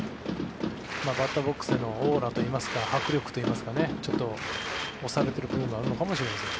バッターボックスでのオーラといいますか迫力といいますかちょっと押されてる部分があるのかもしれないです。